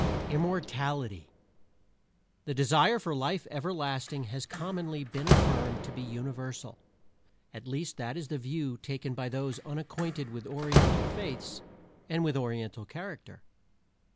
IMMORTALITY The desire for life everlasting has commonly been affirmed to be universal at least that is the view taken by those unacquainted with Oriental faiths and with Oriental character.